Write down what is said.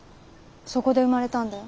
そこで生まれたんだよ。